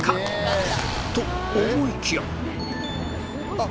あっ！